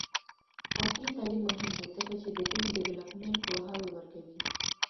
عصري تعلیم مهم دی ځکه چې د ګیم ډیولپمنټ پوهاوی ورکوي.